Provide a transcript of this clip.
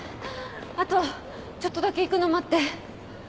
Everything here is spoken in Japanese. あとちょっとだけ行くの待って。